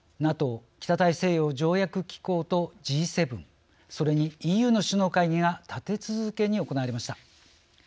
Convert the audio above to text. ＮＡＴＯ・北大西洋条約機構とＧ７、それにＥＵの首脳会議が立て続けに行われました。